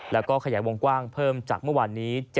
แล้วก็ขยายวงกว้างเพิ่มจากเมื่อวานนี้